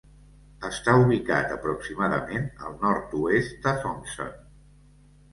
Està ubicat aproximadament al nord-oest de Thompson.